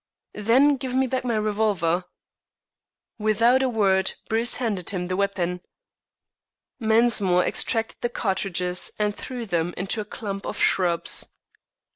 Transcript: "Then give me back my revolver." Without a word, Bruce handed him the weapon. Mensmore extracted the cartridges and threw them into a clump of shrubs.